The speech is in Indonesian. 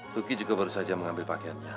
tuki juga baru saja mengambil pakaiannya